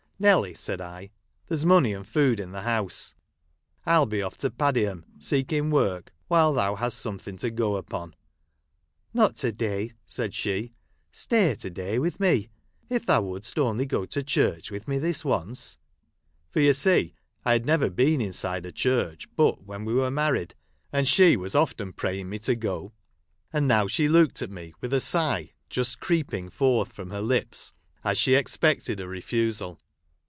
" Nelly," said I, " there 's money and food in the house ; I will be off to Padiham seeking work, while thou hast something to go upon." " Not to day," said she ;" stay to day with me. If thou wouldst only go to church with me this once "— for you see I had never been inside a church but when we were married, Charles Dickens.] THE HEART OF JOHN MIDDLETON. 331 and she was often praying me to go ; and now she looked at me, with A sigh just creep ing forth from her lips, as she expected a refusal.